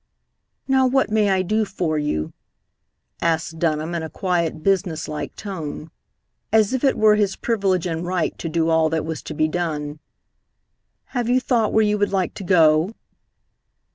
"Now, what may I do for you?" asked Dunham in a quiet, business like tone, as if it were his privilege and right to do all that was to be done. "Have you thought where you would like to go?"